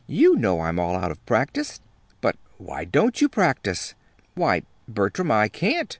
You know I'm all out of practice." "But why don't you practice?" "Why, Bertram, I can't.